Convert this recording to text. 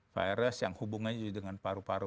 virus yang hubungannya juga dengan paru paru